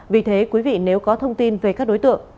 vì thế quý vị nếu có thông tin về các đối tượng